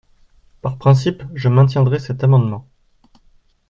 Par principe, je maintiendrai cet amendement.